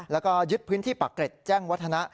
แล้วก็ยึดพื้นที่ปากเกร็ดแจ้งวัฒนะ